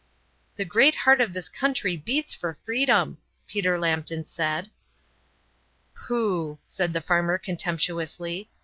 "The great heart of this country beats for freedom," Peter Lambton said. "Pooh!" said the farmer contemptuously.